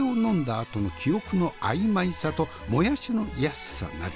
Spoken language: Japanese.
あとの記憶の曖昧さともやしの安さなり。